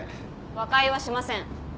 和解はしません。